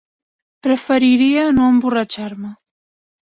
Preferiria no emborratxar-me.